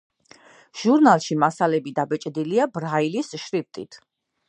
ჟურნალში მასალები დაბეჭდილია ბრაილის შრიფტით.